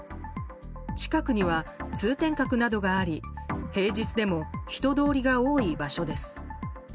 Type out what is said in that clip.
近くには通天閣などがあり平日でも人通りが多い場所です。